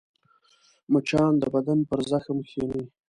مچان د بدن پر زخم کښېني